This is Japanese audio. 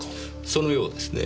そのようですね。